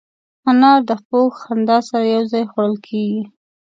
انار د خوږ خندا سره یو ځای خوړل کېږي.